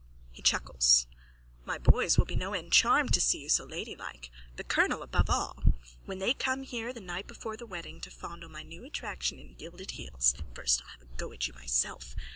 (He chuckles.) My boys will be no end charmed to see you so ladylike, the colonel, above all, when they come here the night before the wedding to fondle my new attraction in gilded heels. First I'll have a go at you myself.